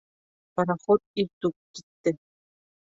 Пароход иртүк китте.